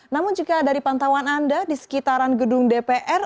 namun jika dari pantauan anda di sekitaran gedung dpr